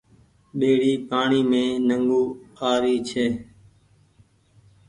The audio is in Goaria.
ٻيڙي پآڻيٚ مين نڳون آرو ڇي۔